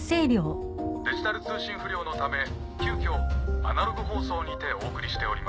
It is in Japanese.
デジタル通信不良のため急遽アナログ放送にてお送りしております。